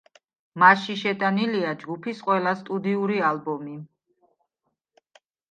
მასში შეტანილია ჯგუფის ყველა სტუდიური ალბომი.